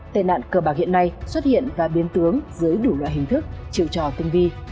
tệ nạn cờ bạc hiện nay xuất hiện và biến tướng dưới đủ loại hình thức chiều trò tinh vi